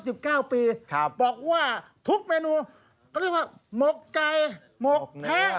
สิบเก้าปีครับบอกว่าทุกเมนูเขาเรียกว่าหมกไก่หมกแท้